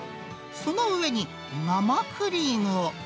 その上に生クリームを。